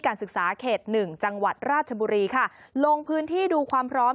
การศึกษาเขตหนึ่งจังหวัดราชบุรีค่ะลงพื้นที่ดูความพร้อม